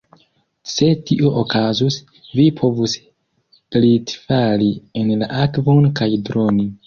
Se tio okazus, vi povus glitfali en la akvon kaj droni.